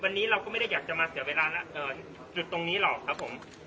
วันนี้เราก็ไม่ได้อยากจะมาเสียเวลาจุดตรงนี้หรอกครับผม